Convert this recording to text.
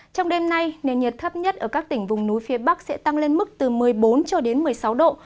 trong đêm nay nền nhiệt thấp nhất ở các tỉnh vùng núi phía bắc sẽ tăng lên mức từ một mươi bốn cho đến một mươi sáu độ